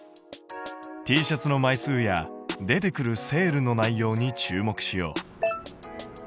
Ｔシャツの枚数や出てくるセールの内容に注目しよう。